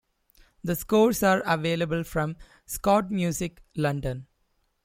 The scores are available from Schott Music, London.